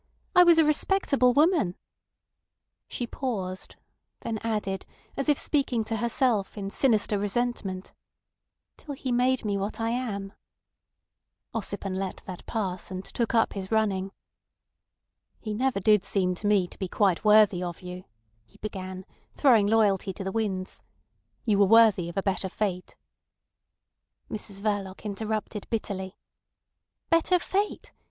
"I was a respectable woman—" She paused, then added, as if speaking to herself, in sinister resentment: "Till he made me what I am." Ossipon let that pass, and took up his running. "He never did seem to me to be quite worthy of you," he began, throwing loyalty to the winds. "You were worthy of a better fate." Mrs Verloc interrupted bitterly: "Better fate!